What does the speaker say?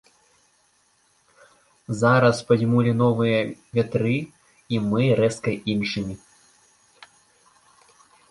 Зараз падзьмулі новыя вятры і мы рэзка іншымі.